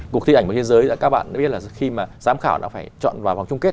cuộc thi ảnh của thế giới các bạn đã biết là khi mà giám khảo đã phải chọn vào vòng chung kết